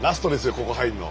ここ入んの。